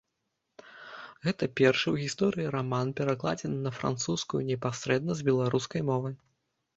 Гэта першы ў гісторыі раман, перакладзены на французскую непасрэдна з беларускай мовы.